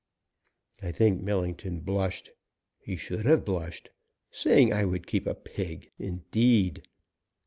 I think Millington blushed. He should have blushed. Saying I would keep a pig, indeed!